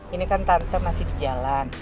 ini kan tante masih di jalan